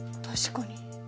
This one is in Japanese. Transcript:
確かに。